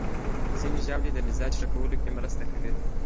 ځینې ژاولې د مزاج ښه کولو کې مرسته کوي.